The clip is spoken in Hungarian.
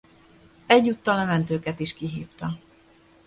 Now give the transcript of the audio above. Egyúttal a mentőket is kihívta.